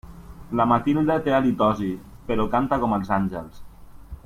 La Matilde té halitosi, però canta com els àngels.